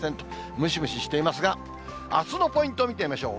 ムシムシしていますが、あすのポイント見てみましょう。